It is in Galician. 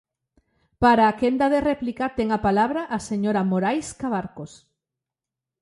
Para a quenda de réplica ten a palabra a señora Morais Cabarcos.